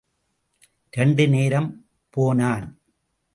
இரண்டு நேரம் போனான்.